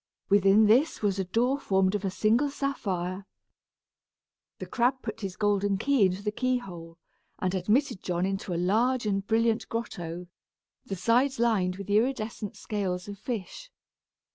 Within this was a door formed of a single sapphire. The crab put his golden key into the key hole, and admitted John into a large and brilliant grotto, the sides lined with the iridescent scales of fish.